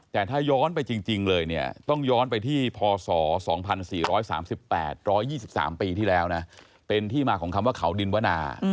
แต่ถ้าย้อนไปจริงเลยเนี่ยต้องย้อนไปที่พศ๒๔๓๘๑๒๓ปีที่แล้วนะเป็นที่มาของคำว่าเขาดินวนา